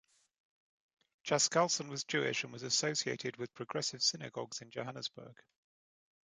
Chaskalson was Jewish and was associated with Progressive synagogues in Johannesburg.